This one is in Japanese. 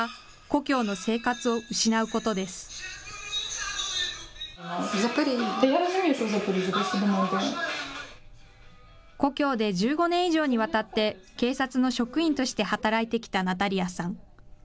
故郷で１５年以上にわたって、警察の職員として働いてきたナタリアさん。